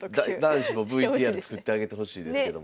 男子もＶＴＲ作ってあげてほしいですけども。